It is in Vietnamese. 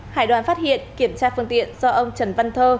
hải đoàn phát hiện kiểm tra phương tiện do ông trần văn thơ